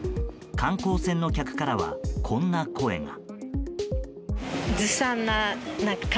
観光船の客からはこんな声が。